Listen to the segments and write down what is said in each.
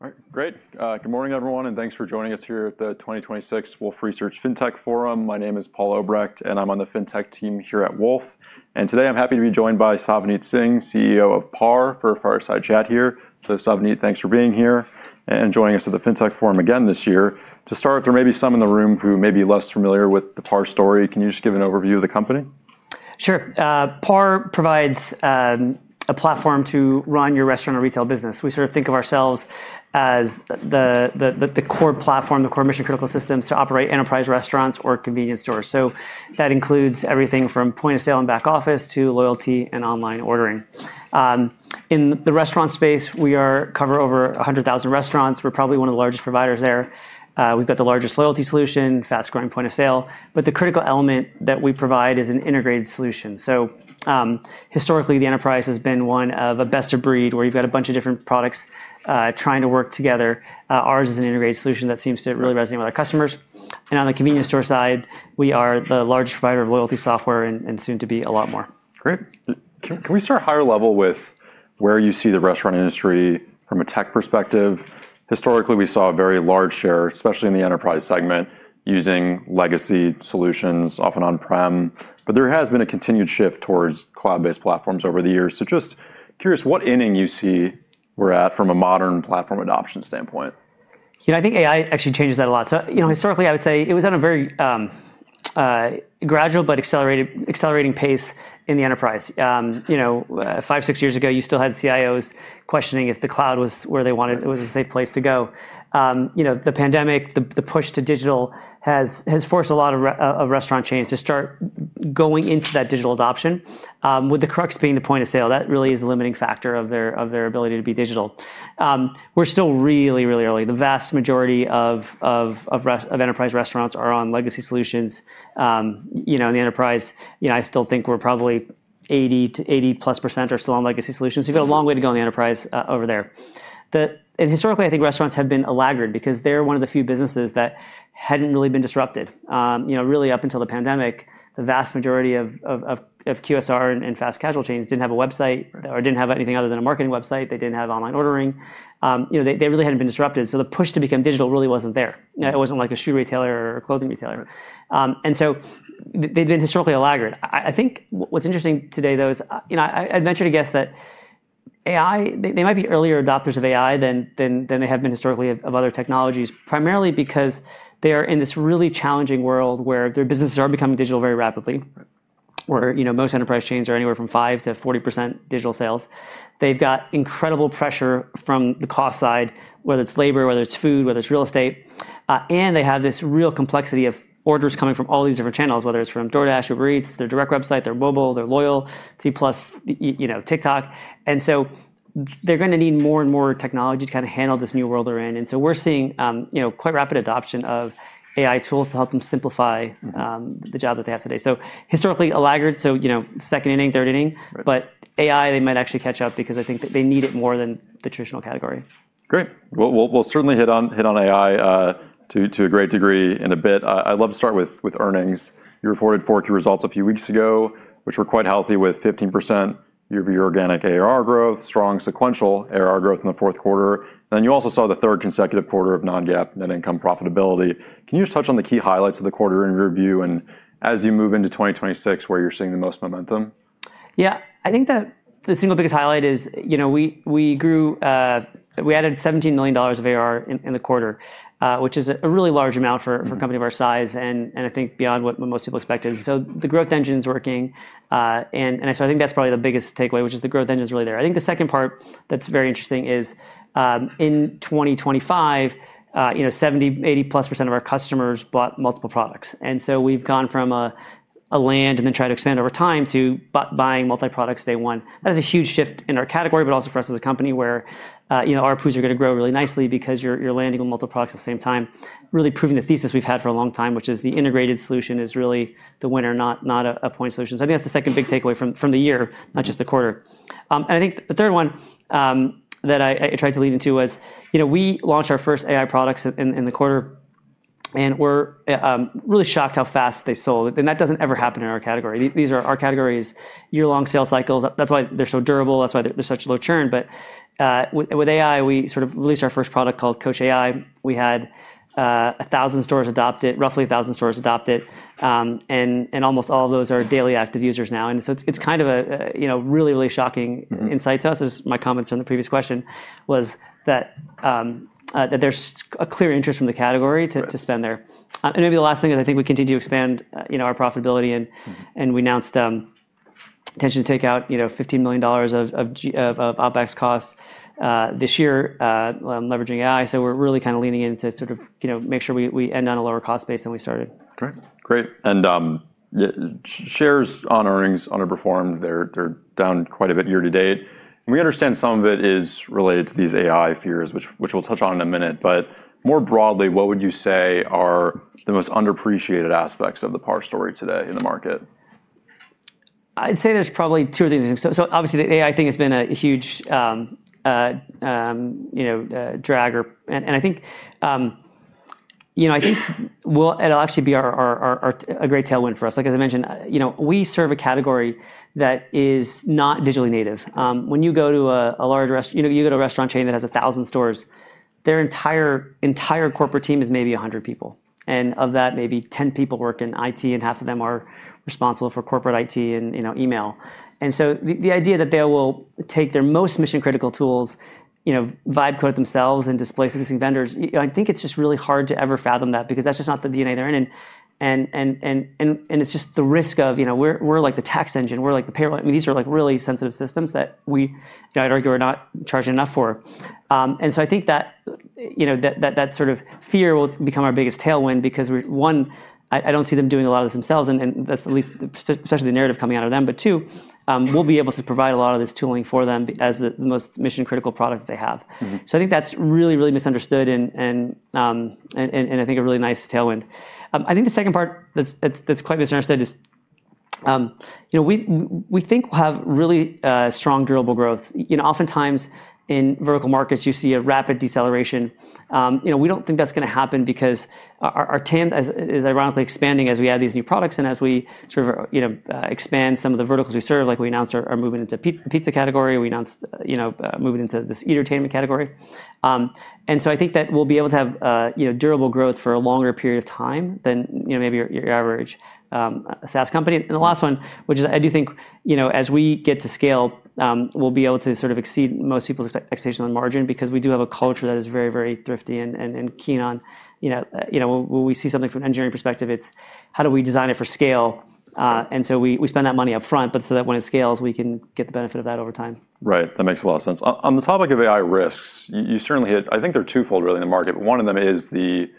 All right, great. Good morning, everyone, and thanks for joining us here at the 2026 Wolfe Research FinTech Forum. My name is Paul Obrecht, and I'm on the FinTech team here at Wolfe. Today, I'm happy to be joined by Savneet Singh, CEO of PAR for a fireside chat here. Savneet, thanks for being here and joining us at the FinTech Forum again this year. To start, there may be some in the room who may be less familiar with the PAR story. Can you just give an overview of the company? Sure. PAR provides a platform to run your restaurant or retail business. We sort of think of ourselves as the core platform, the core mission-critical systems to operate enterprise restaurants or convenience stores. That includes everything from point of sale and back office to loyalty and online ordering. In the restaurant space, we cover over 100,000 restaurants. We're probably one of the largest providers there. We've got the largest loyalty solution, fast-growing point of sale, but the critical element that we provide is an integrated solution. Historically, the enterprise has been one of a best-of-breed, where you've got a bunch of different products trying to work together. Ours is an integrated solution that seems to really resonate with our customers. On the convenience store side, we are the largest provider of loyalty software and soon to be a lot more. Great. Can we start higher level with where you see the restaurant industry from a tech perspective? Historically, we saw a very large share, especially in the enterprise segment, using legacy solutions, often on-prem, but there has been a continued shift towards cloud-based platforms over the years. Just curious what inning you see we're at from a modern platform adoption standpoint? You know, I think AI actually changes that a lot. You know, historically, I would say it was at a very, gradual but accelerating pace in the enterprise. You know, five, six years ago, you still had CIOs questioning if the cloud was a safe place to go. You know, the pandemic, the push to digital has forced a lot of restaurant chains to start going into that digital adoption, with the crux being the point of sale. That really is a limiting factor of their ability to be digital. We're still really early. The vast majority of enterprise restaurants are on legacy solutions. You know, in the enterprise, you know, I still think we're probably 80%-80+% are still on legacy solutions. We've got a long way to go in the enterprise, over there. Historically, I think restaurants have been a laggard because they're one of the few businesses that hadn't really been disrupted. You know, really up until the pandemic, the vast majority of QSR and fast casual chains didn't have a website or didn't have anything other than a marketing website. They didn't have online ordering. You know, they really hadn't been disrupted, so the push to become digital really wasn't there. It wasn't like a shoe retailer or clothing retailer. They've been historically a laggard. I think what's interesting today, though, is, you know, I'd venture to guess that they might be earlier adopters of AI than they have been historically of other technologies, primarily because they are in this really challenging world where their businesses are becoming digital very rapidly. Right. Where, you know, most enterprise chains are anywhere from 5%-40% digital sales. They've got incredible pressure from the cost side, whether it's labor, whether it's food, whether it's real estate, and they have this real complexity of orders coming from all these different channels, whether it's from DoorDash, Uber Eats, their direct website, their mobile, their loyal, T+, you know, TikTok. They're gonna need more and more technology to kinda handle this new world they're in. We're seeing, you know, quite rapid adoption of AI tools to help them simplify the job that they have today. Historically a laggard, so, you know, second inning, third inning. Right. AI, they might actually catch up because I think that they need it more than the traditional category. Great. We'll certainly hit on AI to a great degree in a bit. I'd love to start with earnings. You reported fourth quarter results a few weeks ago, which were quite healthy with 15% year-over-year organic ARR growth, strong sequential ARR growth in the fourth quarter. You also saw the third consecutive quarter of non-GAAP net income profitability. Can you just touch on the key highlights of the quarter in your view, and as you move into 2026, where you're seeing the most momentum? Yeah. I think the single biggest highlight is, you know, we added $17 million of ARR in the quarter, which is a really large amount for- for a company of our size, and I think beyond what most people expected. The growth engine's working. I think that's probably the biggest takeaway, which is the growth engine is really there. I think the second part that's very interesting is, in 2025, you know, 70%-80+% of our customers bought multiple products. We've gone from a land and then try to expand over time to buying multi-products day one. That is a huge shift in our category, but also for us as a company where, you know, our ARPU's are gonna grow really nicely because you're landing on multiple products at the same time, really proving the thesis we've had for a long time, which is the integrated solution is really the winner, not a point solution. I think that's the second big takeaway from the year, not just the quarter. I think the third one that I tried to lead into was you know we launched our first AI products in the quarter, and we're really shocked how fast they sold. That doesn't ever happen in our category. These are our categories, year-long sales cycles. That's why they're so durable. That's why there's such low churn. With AI, we sort of released our first product called Coach AI. We had roughly 1,000 stores adopt it, and almost all of those are daily active users now. It's kind of a you know really shocking..insight to us, as my comments on the previous question was that there's a clear interest from the category to- Right. ...to spend there. Maybe the last thing is I think we continue to expand, you know, our profitability and- We announced intention to take out, you know, $15 million of OpEx costs this year, leveraging AI. We're really kinda leaning in to sort of, you know, make sure we end on a lower cost base than we started. Great. PAR shares on earnings underperformed. They're down quite a bit year to date. We understand some of it is related to these AI fears, which we'll touch on in a minute. More broadly, what would you say are the most underappreciated aspects of the PAR story today in the market? I'd say there's probably two of these things. Obviously, the AI thing has been a huge, you know, drag or. I think, you know, I think it'll actually be our a great tailwind for us. Like, as I mentioned, you know, we serve a category that is not digitally native. When you go to a large restaurant chain that has 1,000 stores, their entire corporate team is maybe 100 people. Of that, maybe 10 people work in IT, and half of them are responsible for corporate IT and, you know, email. The idea that they will take their most mission-critical tools, you know, vibe quote themselves and displace existing vendors, you know, I think it's just really hard to ever fathom that because that's just not the DNA they're in. It's just the risk of, you know, we're like the tax engine. We're like the payroll. I mean, these are, like, really sensitive systems that we, you know, I'd argue are not charging enough for. I think that, you know, that sort of fear will become our biggest tailwind because we're one, I don't see them doing a lot of this themselves, and that's at least especially the narrative coming out of them. But two, we'll be able to provide a lot of this tooling for them as the most mission-critical product they have. I think that's really, really misunderstood and I think a really nice tailwind. I think the second part that's quite misunderstood is, you know, we think we'll have really strong durable growth. You know, oftentimes in vertical markets you see a rapid deceleration. You know, we don't think that's gonna happen because our TAM is ironically expanding as we add these new products and as we sort of, you know, expand some of the verticals we serve. Like we announced our moving into pizza category. We announced, you know, moving into this entertainment category. I think that we'll be able to have, you know, durable growth for a longer period of time than, you know, maybe your average SaaS company. The last one, which is I do think, you know, as we get to scale, we'll be able to sort of exceed most people's expectations on margin because we do have a culture that is very, very thrifty and keen on, you know. When we see something from an engineering perspective, it's how do we design it for scale? And so we spend that money up front, but so that when it scales, we can get the benefit of that over time. Right. That makes a lot of sense. On the topic of AI risks, you certainly hit. I think they're twofold really in the market. One of them is the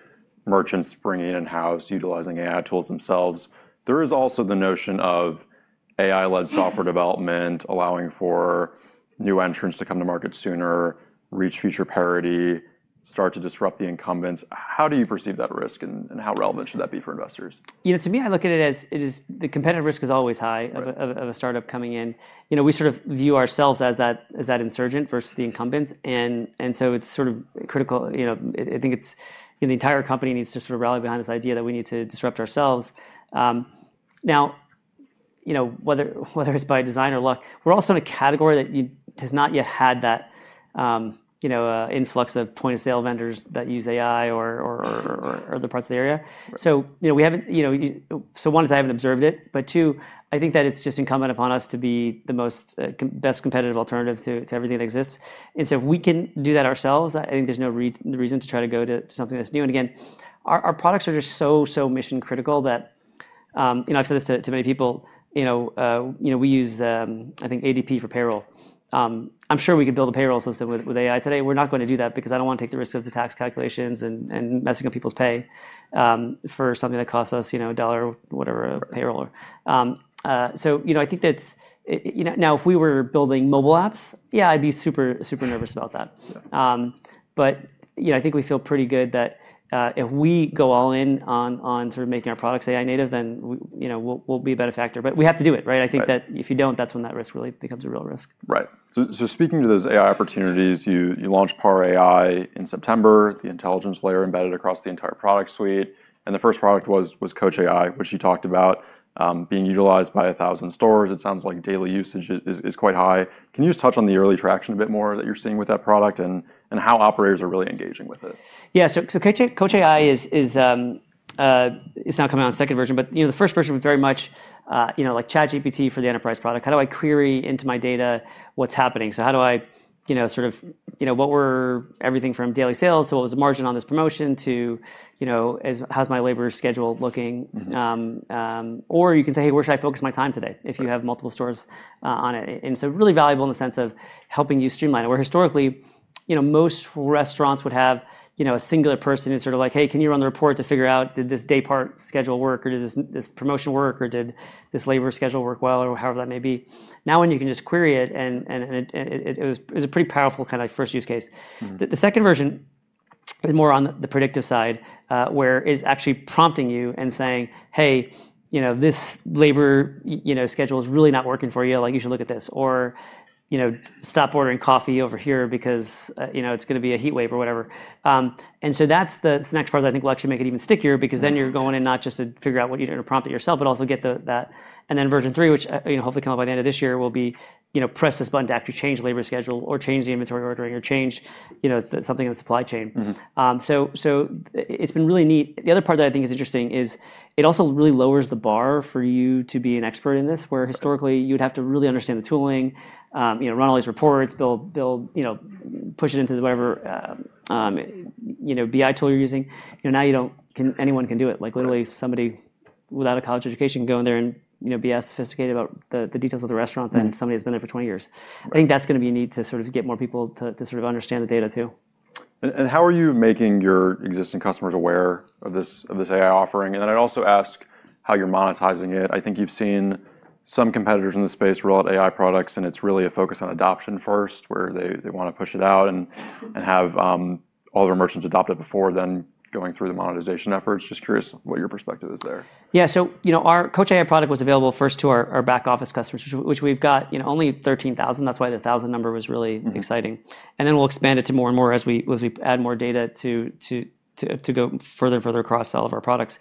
merchants bringing in-house, utilizing AI tools themselves. There is also the notion of AI-led software development allowing for new entrants to come to market sooner, reach feature parity, start to disrupt the incumbents. How do you perceive that risk, and how relevant should that be for investors? You know, to me, I look at it as it is, the competitive risk is always high- Right ...of a startup coming in. You know, we sort of view ourselves as that insurgent versus the incumbents, and so it's sort of critical. You know, I think it's. You know, the entire company needs to sort of rally behind this idea that we need to disrupt ourselves. Now, you know, whether it's by design or luck, we're also in a category that has not yet had that influx of point-of-sale vendors that use AI or other parts of the area. Right. You know, we haven't. One is I haven't observed it, but two, I think that it's just incumbent upon us to be the most competitive alternative to everything that exists. If we can do that ourselves, I think there's no reason to try to go to something that's new. Again, our products are just so mission-critical that. You know, I've said this to many people. You know, we use, I think ADP for payroll. I'm sure we could build a payroll system with AI today. We're not gonna do that because I don't wanna take the risk of the tax calculations and messing up people's pay for something that costs us, you know, a dollar or whatever- Right ....a payroll. You know, I think that's, you know. Now, if we were building mobile apps, yeah, I'd be super nervous about that. Yeah. You know, I think we feel pretty good that if we go all in on sort of making our products AI native, then you know, we'll be a better factor. We have to do it, right? Right. I think that if you don't, that's when that risk really becomes a real risk. Right. Speaking to those AI opportunities, you launched PAR AI in September, the intelligence layer embedded across the entire product suite, and the first product was Coach AI, which you talked about being utilized by 1,000 stores. It sounds like daily usage is quite high. Can you just touch on the early traction a bit more that you're seeing with that product and how operators are really engaging with it? Coach AI is now coming on its second version, but you know, the first version was very much, you know, like ChatGPT for the enterprise product. How do I query into my data what's happening? How do I, you know, sort of you know, what were everything from daily sales, so what was the margin on this promotion to, you know, how's my labor schedule looking? You can say, "Hey, where should I focus my time today? Right. If you have multiple stores on it. Really valuable in the sense of helping you streamline. Where historically, you know, most restaurants would have, you know, a singular person who's sort of like, "Hey, can you run the report to figure out did this day part schedule work, or did this promotion work, or did this labor schedule work well?" However that may be. Now when you can just query it and it was a pretty powerful kind of like first use case. The second version is more on the predictive side, where it's actually prompting you and saying, "Hey, you know, this labor, you know, schedule is really not working for you. Like you should look at this." Or, you know, "Stop ordering coffee over here because, you know, it's gonna be a heat wave" or whatever. This next part I think will actually make it even stickier because then you're going in not just to figure out what you're gonna prompt it yourself, but also get the, that. Version three, which, you know, hopefully come out by the end of this year, will be, you know, press this button to actually change labor schedule or change the inventory ordering or change, you know, the, something in the supply chain. It's been really neat. The other part that I think is interesting is it also really lowers the bar for you to be an expert in this. Where historically you'd have to really understand the tooling, you know, run all these reports, build, you know, push it into whatever BI tool you're using. You know, now you don't. Anyone can do it. Right. Like, literally, somebody without a college education can go in there and, you know, be as sophisticated about the details of the restaurant. Than somebody that's been there for 20 years. Right. I think that's gonna be neat to sort of get more people to sort of understand the data too. How are you making your existing customers aware of this AI offering? Then I'd also ask how you're monetizing it. I think you've seen some competitors in the space roll out AI products, and it's really a focus on adoption first, where they wanna push it out and have all their merchants adopted it before then going through the monetization efforts. Just curious what your perspective is there. Yeah. You know, our Coach AI product was available first to our back office customers, which we've got, you know, only 13,000. That's why the thousand number was really exciting. We'll expand it to more and more as we add more data to go further and further across all of our products.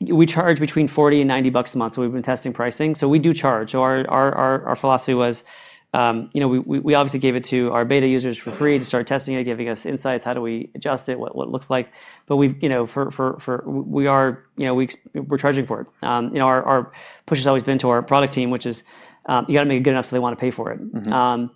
We charge between $40 and $90 a month. We've been testing pricing. We do charge. Our philosophy was, you know, we obviously gave it to our beta users for free to start testing it, giving us insights, how do we adjust it, what it looks like. But we've, you know, we're charging for it. You know, our push has always been to our product team, which is, you gotta make it good enough so they wanna pay for it. I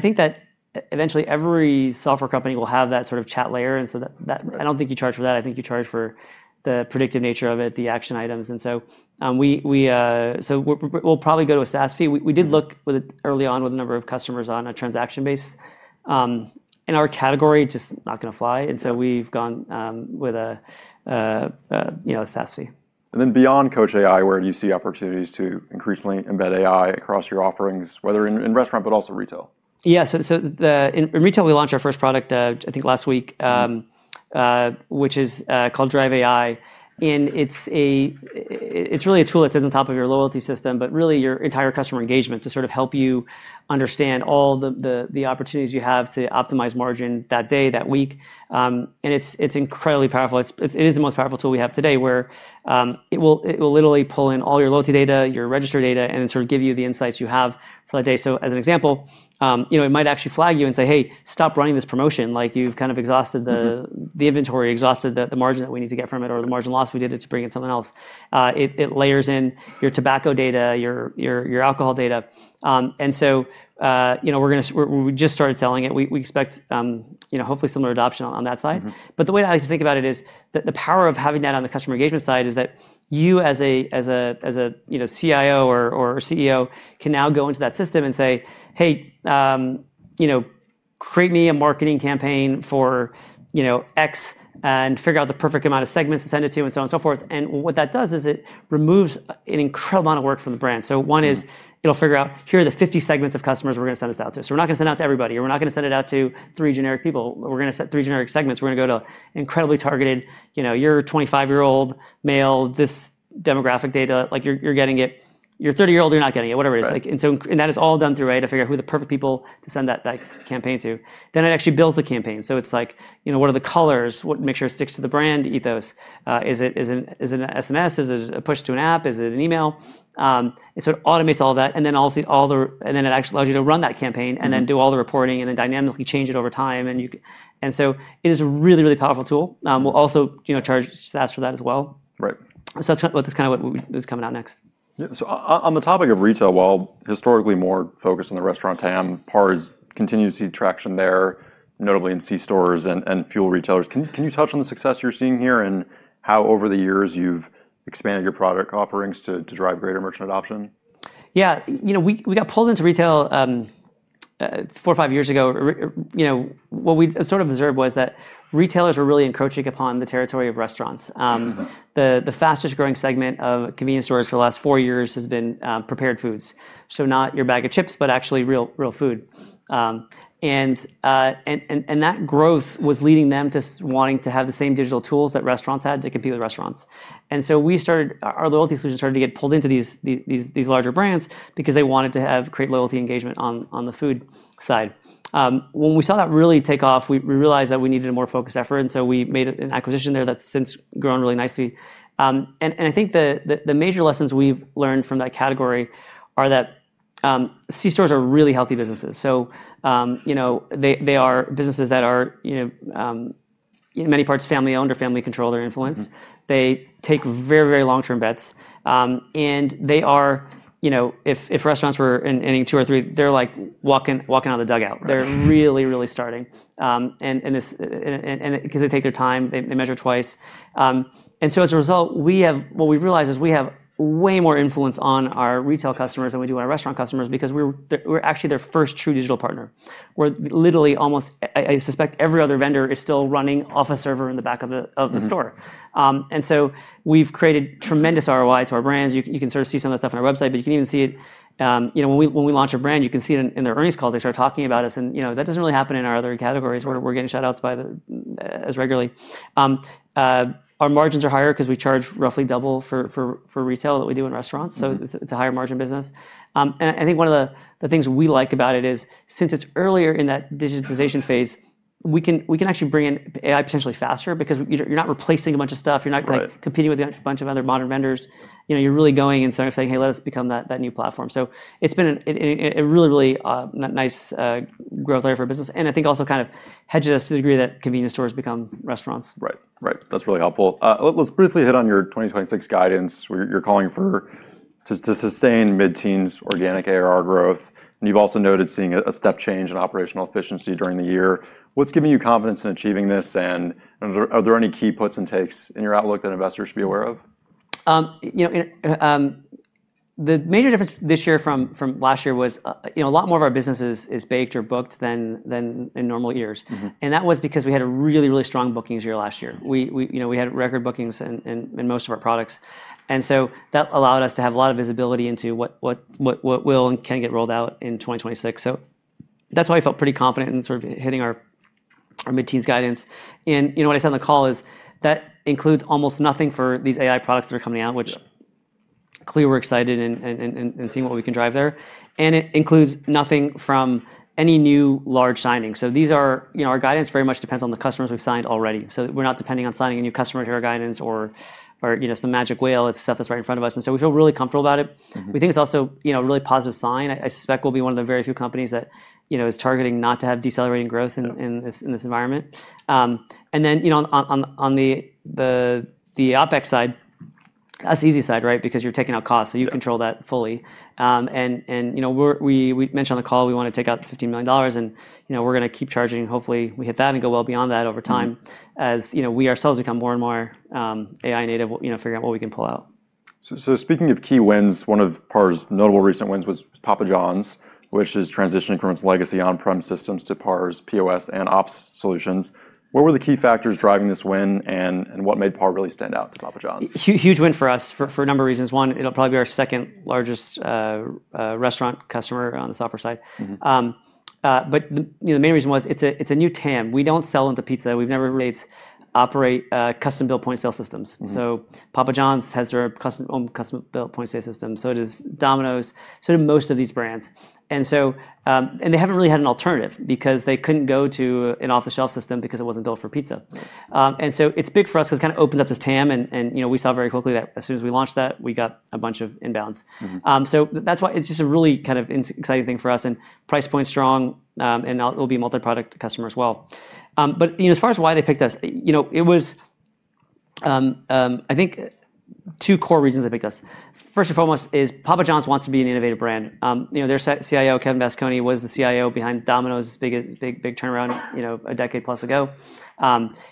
think that eventually every software company will have that sort of chat layer and so that I don't think you charge for that. I think you charge for the predictive nature of it, the action items. We'll probably go to a SaaS fee. We did look with it early on with a number of customers on a transaction basis. In our category, just not gonna fly. We've gone with a, you know, a SaaS fee. Beyond Coach AI, where do you see opportunities to increasingly embed AI across your offerings, whether in restaurant but also retail? In retail, we launched our first product, I think last week, which is called Drive AI. It's really a tool that sits on top of your loyalty system, but really your entire customer engagement to sort of help you understand all the opportunities you have to optimize margin that day, that week. It's incredibly powerful. It is the most powerful tool we have today, where it will literally pull in all your loyalty data, your register data, and sort of give you the insights you have for that day. As an example, you know, it might actually flag you and say, "Hey, stop running this promotion." Like, you've kind of exhausted the-the inventory, exhausted the margin that we need to get from it or the margin loss we did to bring in something else. It layers in your tobacco data, your alcohol data. You know, we just started selling it. We expect, you know, hopefully similar adoption on that side. The way I like to think about it is that the power of having that on the customer engagement side is that you as a you know CIO or CEO can now go into that system and say, "Hey, you know, create me a marketing campaign for you know X and figure out the perfect amount of segments to send it to," and so on and so forth. What that does is it removes an incredible amount of work from the brand. One is- It'll figure out, here are the 50 segments of customers we're gonna send this out to. We're not gonna send it out to everybody, or we're not gonna send it out to three generic people. We're gonna set three generic segments. We're gonna go to incredibly targeted, you know, you're a 25-year-old male, this demographic data. Like you're getting it. You're a 30-year-old, you're not getting it, whatever it is. Right. Like, that is all done through AI to figure out who the perfect people to send that campaign to. It actually builds the campaign. It's like, you know, what are the colors? What makes sure it sticks to the brand ethos? Is it an SMS? Is it a push to an app? Is it an email? It automates all that. It actually allows you to run that campaign. Do all the reporting and then dynamically change it over time. It is a really, really powerful tool. We'll also, you know, charge SaaS for that as well. Right. That's kind of what is coming out next. On the topic of retail, while historically more focused on the restaurant TAM, PAR has continued to see traction there, notably in C-stores and fuel retailers. Can you touch on the success you're seeing here and how over the years you've expanded your product offerings to drive greater merchant adoption? Yeah. You know, we got pulled into retail, four or five years ago. You know, what we sort of observed was that retailers were really encroaching upon the territory of restaurants. The fastest-growing segment of convenience stores for the last four years has been prepared foods. So not your bag of chips, but actually real food. That growth was leading them to wanting to have the same digital tools that restaurants had to compete with restaurants. Our loyalty solution started to get pulled into these larger brands because they wanted to create loyalty engagement on the food side. When we saw that really take off, we realized that we needed a more focused effort, and so we made an acquisition there that's since grown really nicely. I think the major lessons we've learned from that category are that C-stores are really healthy businesses. You know, they are businesses that are, you know, in many parts family-owned or family-controlled or influenced. They take very, very long-term bets. They are, you know, if restaurants were in inning two or three, they're like walking out of the dugout. Right. They're really starting because they take their time, they measure twice. As a result, what we've realized is we have way more influence on our retail customers than we do on our restaurant customers because we're actually their first true digital partner. I suspect every other vendor is still running off a server in the back of the store. We've created tremendous ROI to our brands. You can sort of see some of that stuff on our website, but you can even see it, you know, when we launch a brand, you can see it in the earnings calls. They start talking about us and, you know, that doesn't really happen in our other categories where we're getting shout-outs by the CFOs as regularly. Our margins are higher because we charge roughly double for retail than we do in restaurants. It's a higher margin business. I think one of the things we like about it is since it's earlier in that digitization phase, we can actually bring in AI potentially faster because you're not replacing a bunch of stuff. Right. Competing with a bunch of other modern vendors. You know, you're really going and sort of saying, "Hey, let us become that new platform." It's been a really nice growth area for our business and I think also kind of hedges us to the degree that convenience stores become restaurants. Right. That's really helpful. Let's briefly hit on your 2026 guidance where you're calling for just to sustain mid-teens organic ARR growth, and you've also noted seeing a step change in operational efficiency during the year. What's giving you confidence in achieving this, and are there any key puts and takes in your outlook that investors should be aware of? You know, the major difference this year from last year was, you know, a lot more of our business is baked or booked than in normal years. That was because we had a really, really strong bookings year last year. We you know we had record bookings in most of our products. That allowed us to have a lot of visibility into what will and can get rolled out in 2026. That's why we felt pretty confident in sort of hitting our mid-teens guidance. You know what I said on the call is that includes almost nothing for these AI products that are coming out, which clearly we're excited and seeing what we can drive there. It includes nothing from any new large signing. These are, you know, our guidance very much depends on the customers we've signed already. We're not depending on signing a new customer to hear our guidance or you know some magic whale. It's stuff that's right in front of us, and so we feel really comfortable about it. We think it's also, you know, a really positive sign. I suspect we'll be one of the very few companies that, you know, is targeting not to have decelerating growth in- Yeah. In this environment. You know, on the OpEx side, that's the easy side, right? Because you're taking out costs, so you control that fully. You know, we mentioned on the call we wanna take out $15 million, and you know, we're gonna keep charging. Hopefully we hit that and go well beyond that over time. As you know, we ourselves become more and more AI native, we'll, you know, figure out what we can pull out. Speaking of key wins, one of PAR's notable recent wins was Papa Johns, which is transitioning from its legacy on-prem systems to PAR's POS and ops solutions. What were the key factors driving this win, and what made PAR really stand out to Papa Johns? Huge win for us for a number of reasons. One, it'll probably be our second-largest restaurant customer on the software side. You know, the main reason was it's a new TAM. We don't sell into pizza. We've never really operated custom-built point-of-sale systems. Papa Johns has their custom, own custom-built point-of-sale system. Does Domino's, so do most of these brands. They haven't really had an alternative because they couldn't go to an off-the-shelf system because it wasn't built for pizza. It's big for us because it kind of opens up this TAM and you know, we saw very quickly that as soon as we launched that, we got a bunch of inbounds. That's why it's just a really kind of exciting thing for us and price point's strong, and it'll be a multi-product customer as well. You know, as far as why they picked us, you know, it was, I think two core reasons they picked us. First and foremost is Papa Johns wants to be an innovative brand. You know, their CIO, Kevin Vasconi, was the CIO behind Domino's big turnaround, you know, a decade plus ago.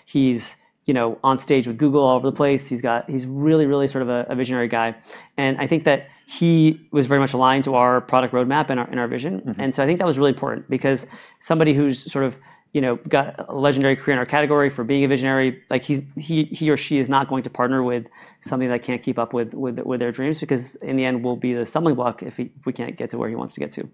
He's, you know, on stage with Google all over the place. He's really sort of a visionary guy. I think that he was very much aligned to our product roadmap and our vision. I think that was really important because somebody who's sort of, you know, got a legendary career in our category for being a visionary, like, he or she is not going to partner with somebody that can't keep up with their dreams, because in the end we'll be the stumbling block if we can't get to where he wants to get to.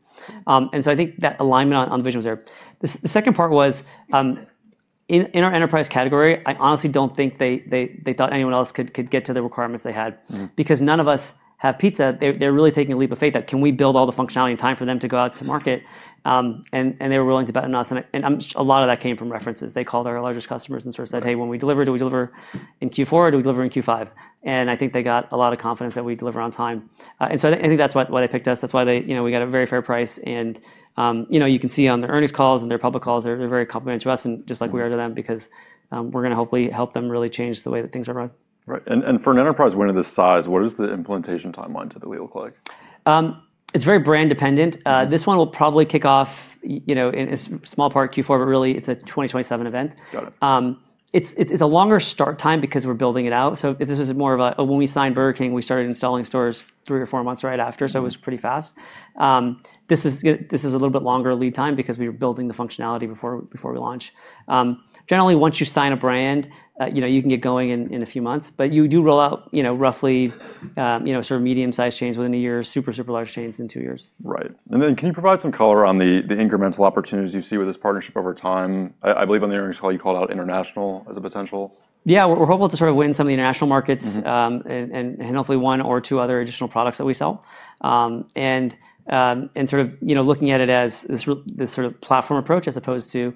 I think that alignment on the vision was there. The second part was, in our enterprise category, I honestly don't think they thought anyone else could get to the requirements they had. Because none of us have pizza, they're really taking a leap of faith that we can build all the functionality in time for them to go out to market? They were willing to bet on us and a lot of that came from references. They called our largest customers and sort of said, "Hey, when we deliver, do we deliver in Q4 or do we deliver in Q5?" I think they got a lot of confidence that we'd deliver on time. I think that's why they picked us. That's why they, you know, we got a very fair price and, you know, you can see on their earnings calls and their public calls, they're very complimentary to us and just like we are to them because, we're gonna hopefully help them really change the way that things are run. Right. For an enterprise win of this size, what does the implementation timeline typically look like? It's very brand dependent. This one will probably kick off, you know, in a small part Q4, but really it's a 2027 event. Got it. It's a longer start time because we're building it out. This is more of a when we signed Burger King, we started installing stores three or four months right after, so it was pretty fast. This is a little bit longer lead time because we're building the functionality before we launch. Generally, once you sign a brand, you know, you can get going in a few months, but you do roll out, you know, roughly, sort of medium-sized chains within a year, super large chains in two years. Right. Can you provide some color on the incremental opportunities you see with this partnership over time? I believe on the earnings call you called out international as a potential. Yeah. We're hopeful to sort of win some of the international markets. Hopefully one or two other additional products that we sell. Sort of, you know, looking at it as this real, this sort of platform approach as opposed to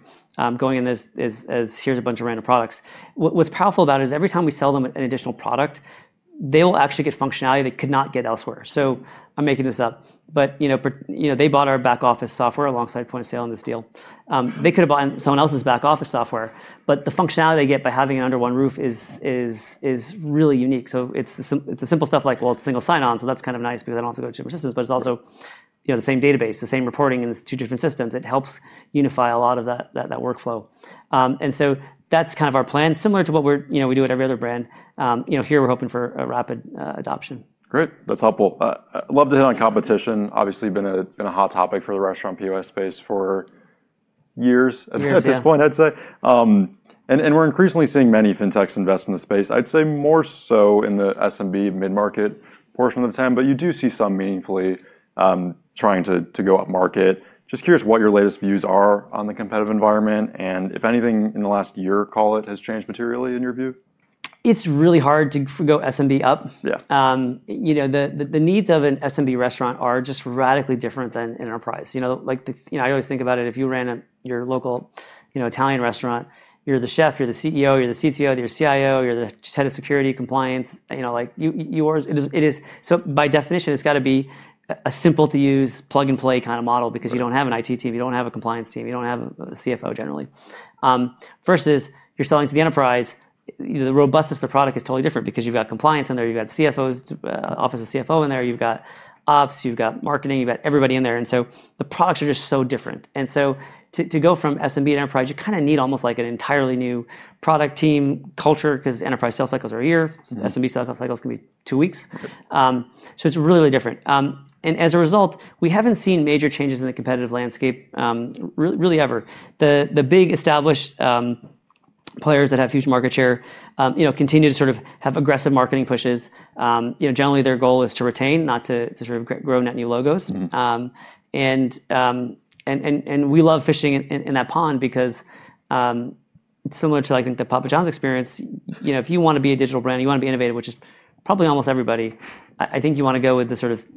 going in as here's a bunch of random products. What's powerful about it is every time we sell them an additional product, they will actually get functionality they could not get elsewhere. I'm making this up, but, you know, they bought our back office software alongside point of sale in this deal. They could have bought someone else's back office software, but the functionality they get by having it under one roof is really unique. It's the simple stuff like, well, it's single sign-on, so that's kind of nice because they don't have to go to two systems, but it's also, you know, the same database, the same reporting in these two different systems. It helps unify a lot of that workflow. That's kind of our plan. Similar to what we, you know, do at every other brand. You know, here we're hoping for a rapid adoption. Great. That's helpful. Love to hit on competition. Obviously, been a hot topic for the restaurant POS space for years. Years, yeah. At this point, I'd say. We're increasingly seeing many Fintechs invest in the space. I'd say more so in the SMB mid-market portion of the TAM, but you do see some meaningfully trying to go upmarket. Just curious what your latest views are on the competitive environment and if anything in the last year, call it, has changed materially in your view. It's really hard to go SMB up. Yeah. You know, the needs of an SMB restaurant are just radically different than enterprise. You know, like, you know, I always think about it, if you ran your local, you know, Italian restaurant, you're the Chef, you're the CEO, you're the CTO, you're the CIO, you're the Head of Security Compliance. You know, like, you are, it is. By definition, it's gotta be a simple to use plug and play kind of model because you don't have an IT team, you don't have a compliance team, you don't have a CFO generally. Versus you're selling to the enterprise, you know, the robustness of the product is totally different because you've got compliance in there, you've got CFOs, Office of CFO in there, you've got ops, you've got marketing, you've got everybody in there. The products are just so different. To go from SMB to enterprise, you kind of need almost like an entirely new product team culture 'cause enterprise sales cycles are a year. SMB sales cycles can be two weeks. It's really different. As a result, we haven't seen major changes in the competitive landscape, really ever. The big established players that have huge market share, you know, continue to sort of have aggressive marketing pushes. You know, generally their goal is to retain, not to sort of grow net new logos. We love fishing in that pond because similar to, I think, the Papa Johns experience, you know, if you wanna be a digital brand and you wanna be innovative, which is probably almost everybody, I think you wanna go with the sort of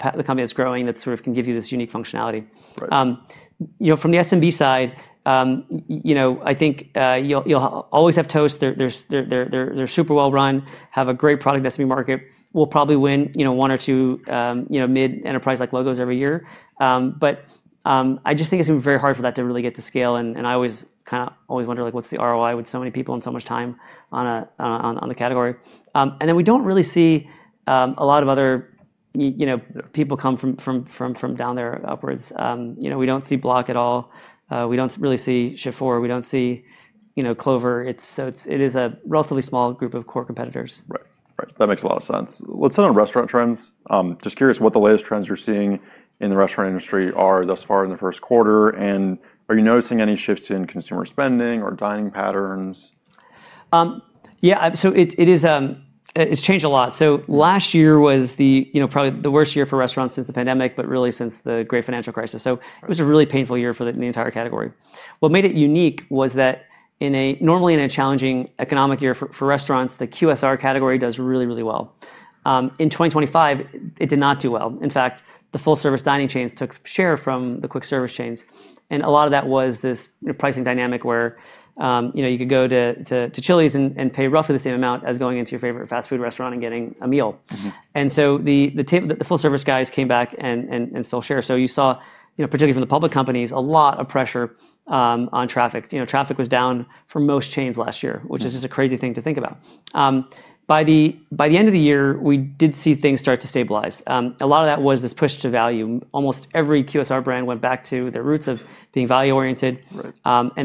company that's growing that can give you this unique functionality. Right. You know, from the SMB side, you know, I think, you'll always have Toast. They're super well run, have a great product SMB market, will probably win, you know, one or two, you know, mid-enterprise like logos every year. I just think it's gonna be very hard for that to really get to scale, and I always kinda wonder like what's the ROI with so many people and so much time on the category. Then we don't really see a lot of other you know, people come from down there upwards. You know, we don't see Block at all. We don't really see Shift4. We don't see, you know, Clover. It is a relatively small group of core competitors. Right. Right. That makes a lot of sense. Let's hit on restaurant trends. Just curious what the latest trends you're seeing in the restaurant industry are thus far in the first quarter, and are you noticing any shifts in consumer spending or dining patterns? Yeah. It's changed a lot. Last year was, you know, probably the worst year for restaurants since the pandemic, but really since the great financial crisis. It was a really painful year for the entire category. What made it unique was that normally in a challenging economic year for restaurants, the QSR category does really well. In 2025 it did not do well. In fact, the full-service dining chains took share from the quick service chains, and a lot of that was this pricing dynamic where, you know, you could go to Chili's and pay roughly the same amount as going into your favorite fast food restaurant and getting a meal. The full service guys came back and stole share. You saw, you know, particularly from the public companies, a lot of pressure on traffic. You know, traffic was down for most chains last year. Which is just a crazy thing to think about. By the end of the year, we did see things start to stabilize. A lot of that was this push to value. Almost every QSR brand went back to their roots of being value-oriented. Right.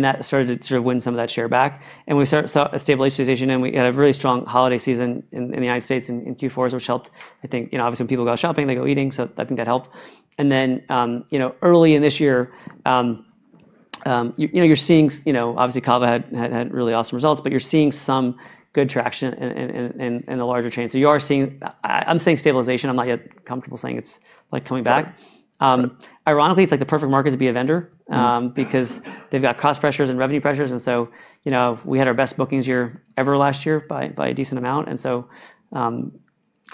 That started to sort of win some of that share back. We saw a stabilization, and we had a really strong holiday season in the United States in Q4, which helped. I think, you know, obviously, when people go out shopping, they go eating, so I think that helped. Then, you know, early in this year, you know, you're seeing, you know, obviously Cava had really awesome results, but you're seeing some good traction in the larger chains. You are seeing stabilization. I'm seeing stabilization. I'm not yet comfortable saying it's like coming back. Right. Ironically, it's like the perfect market to be a vendor. Because they've got cost pressures and revenue pressures, and so, you know, we had our best bookings year ever last year by a decent amount.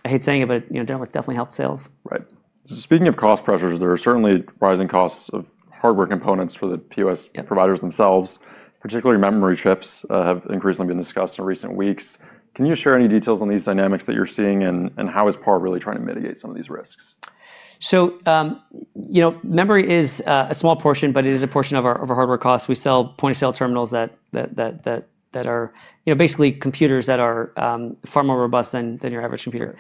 I hate saying it, but, you know, pandemic definitely helped sales. Right. Speaking of cost pressures, there are certainly rising costs of hardware components for the POS- Yeah. ....providers themselves. Particularly memory chips have increasingly been discussed in recent weeks. Can you share any details on these dynamics that you're seeing, and how is PAR really trying to mitigate some of these risks? You know, memory is a small portion, but it is a portion of our hardware costs. We sell point-of-sale terminals that are basically computers that are far more robust than your average computer.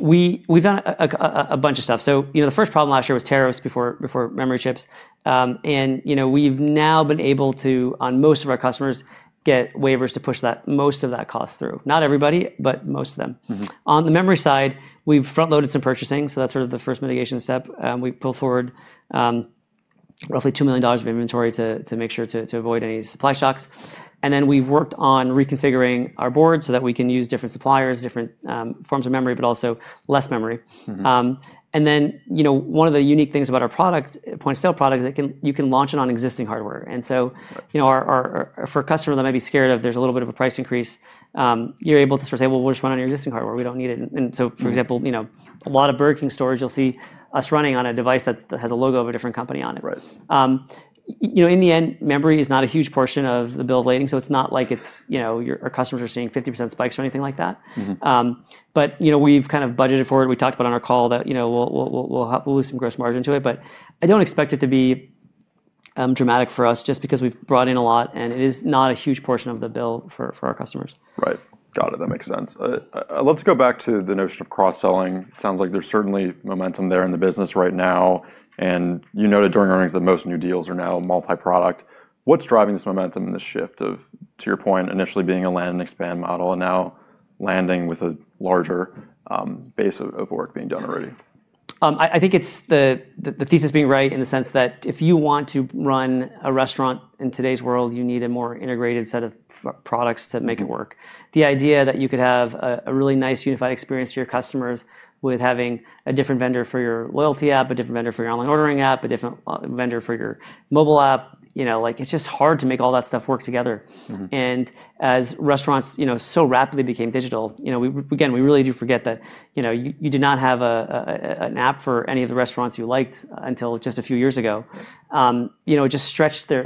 We've done a bunch of stuff. You know, the first problem last year was tariffs before memory chips. You know, we've now been able to, on most of our customers, get waivers to push that, most of that cost through. Not everybody, but most of them. On the memory side, we've front-loaded some purchasing, so that's sort of the first mitigation step. We pulled forward roughly $2 million of inventory to make sure to avoid any supply shocks. Then we've worked on reconfiguring our board so that we can use different suppliers, different forms of memory, but also less memory. You know, one of the unique things about our product, point-of-sale product, is you can launch it on existing hardware. Right. You know, our for a customer that might be scared of there's a little bit of a price increase, you're able to sort of say, "Well, we'll just run it on your existing hardware. We don't need it." For example, You know, a lot of Burger King stores you'll see us running on a device that has a logo of a different company on it. Right. You know, in the end, memory is not a huge portion of the bill of lading, so it's not like it's, you know, our customers are seeing 50% spikes or anything like that. You know, we've kind of budgeted for it. We talked about it on our call that, you know, we'll lose some gross margin to it. I don't expect it to be dramatic for us just because we've brought in a lot, and it is not a huge portion of the bill for our customers. Right. Got it. That makes sense. I'd love to go back to the notion of cross-selling. Sounds like there's certainly momentum there in the business right now. You noted during earnings that most new deals are now multi-product. What's driving this momentum and this shift of, to your point, initially being a land and expand model and now landing with a larger base of work being done already? I think it's the thesis being right in the sense that if you want to run a restaurant in today's world, you need a more integrated set of products to make it work. The idea that you could have a really nice unified experience for your customers with having a different vendor for your loyalty app, a different vendor for your online ordering app, a different vendor for your mobile app, you know, like, it's just hard to make all that stuff work together. As restaurants, you know, so rapidly became digital, you know, again, we really do forget that, you know, you did not have an app for any of the restaurants you liked until just a few years ago. You know, it just stretched their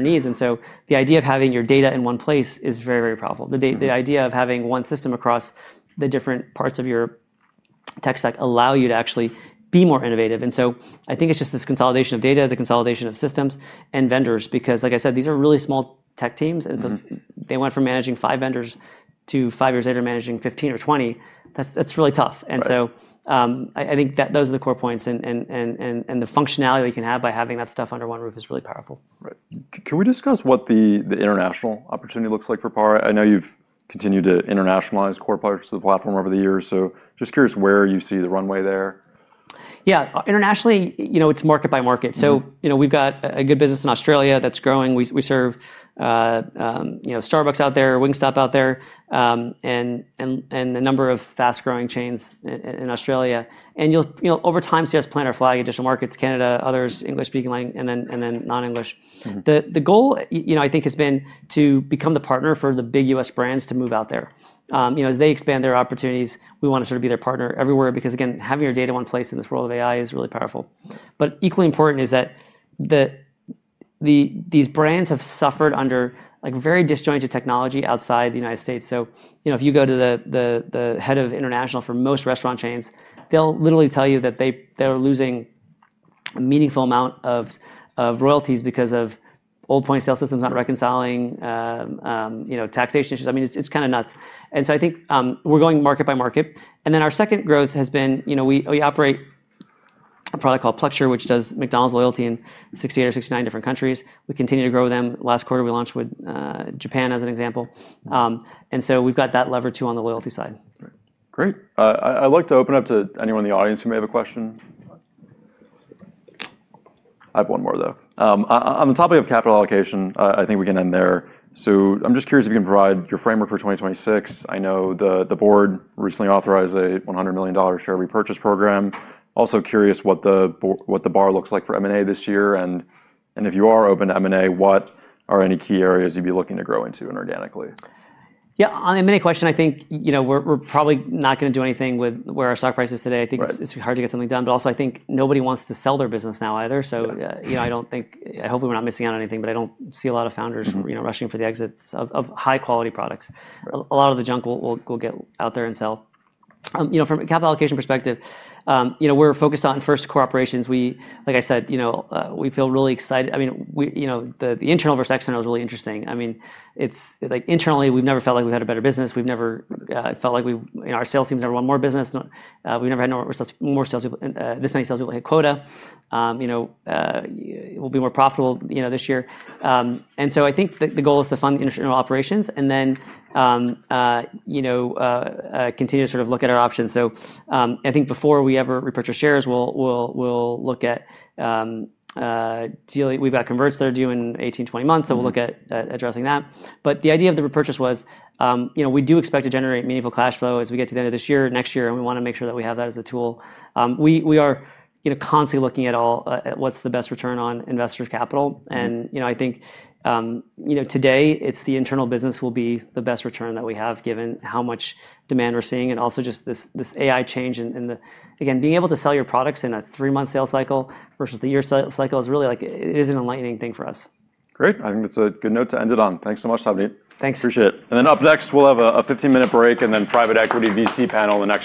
needs. The idea of having your data in one place is very, very powerful. The date-- The idea of having one system across the different parts of your tech stack allow you to actually be more innovative. I think it's just this consolidation of data, the consolidation of systems and vendors, because, like I said, these are really small tech teams. They went from managing five vendors to five years later managing 15 or 20. That's really tough. Right. I think that those are the core points and the functionality that you can have by having that stuff under one roof is really powerful. Right. Can we discuss what the international opportunity looks like for PAR? I know you've continued to internationalize core parts of the platform over the years, so just curious where you see the runway there? Yeah. Internationally, you know, it's market by market. You know, we've got a good business in Australia that's growing. We serve, you know, Starbucks out there, Wingstop out there, and a number of fast-growing chains in Australia. You'll, you know, over time, so yes, plant our flag, additional markets, Canada, others, English-speaking languages and then non-English. The goal, you know, I think has been to become the partner for the big U.S. brands to move out there. You know, as they expand their opportunities, we wanna sort of be their partner everywhere because, again, having your data in one place in this world of AI is really powerful. But equally important is that these brands have suffered under, like, very disjointed technology outside the United States. You know, if you go to the head of international for most restaurant chains, they'll literally tell you that they're losing a meaningful amount of royalties because of old point-of-sale systems not reconciling, you know, taxation issues. I mean, it's kinda nuts. I think we're going market by market. Our second growth has been, you know, we operate a product called Punchh, which does McDonald's loyalty in 68 or 69 different countries. We continue to grow them. Last quarter, we launched with Japan as an example. We've got that lever too on the loyalty side. Great. I'd like to open up to anyone in the audience who may have a question. I have one more, though. On the topic of capital allocation, I think we can end there. I'm just curious if you can provide your framework for 2026. I know the board recently authorized a $100 million share repurchase program. Also curious what the bar looks like for M&A this year, and if you are open to M&A, what are any key areas you'd be looking to grow into inorganically? Yeah. On the M&A question, I think, you know, we're probably not gonna do anything with where our stock price is today. Right. I think it's hard to get something done. Also I think nobody wants to sell their business now either. Yeah. You know, I don't think, I hope we're not missing out on anything, but I don't see a lot of founders. You know, rushing for the exits of high quality products. Right. A lot of the junk will get out there and sell. You know, from a capital allocation perspective, you know, we're focused on first core operations. Like I said, you know, we feel really excited. I mean, we feel really excited. You know, the internal versus external is really interesting. I mean, it's like internally, we've never felt like we've had a better business. We've never felt like we want more business. You know, our sales teams never want more business. We've never had more sales, more salespeople, this many salespeople hit quota. You know, we'll be more profitable, you know, this year. I think the goal is to fund internal operations and then, you know, continue to sort of look at our options. I think before we ever repurchase shares, we've got converts that are due in 18-20 months, so we'll look at addressing that. But the idea of the repurchase was, you know, we do expect to generate meaningful cash flow as we get to the end of this year, next year, and we wanna make sure that we have that as a tool. We are, you know, constantly looking at all, at what's the best return on investors' capital. You know, I think, you know, today it's the internal business will be the best return that we have given how much demand we're seeing and also just this AI change. Again, being able to sell your products in a three-month sales cycle versus the year cycle is really like, it is an enlightening thing for us. Great. I think that's a good note to end it on. Thanks so much, Savneet. Thanks. Appreciate it. Up next, we'll have a 15-minute break and then private equity VC panel in about.